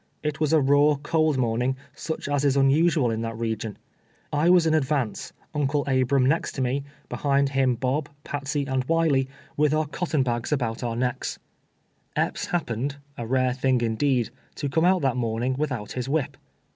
It was a raw, cold morn ing, such as is unusual in that region. I was in ad vance, Uncle Abram next to me, behind him Bob, Patsey and Wiley, with our cotton bags about our 2SS TWELVE YEARS A BLAVE. necks. Epps happened (a rare thing, indeed,) to come out that niornini:; without his wliip.